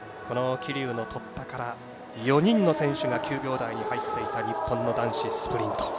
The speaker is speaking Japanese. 桐生の突破から４人の選手が９秒台に入っていた日本の男子スプリント。